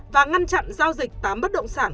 và ngăn chặn giao dịch tám bất động sản